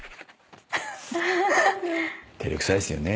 照れくさいですよね。